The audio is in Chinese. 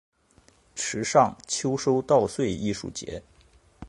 池上秋收稻穗艺术节